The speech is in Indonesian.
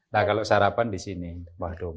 nah kalau sarapan di sini warung